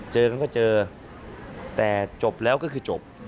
เจอกันก็เจอแต่จบแล้วก็คือจบ